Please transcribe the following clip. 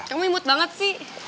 kamu imut banget sih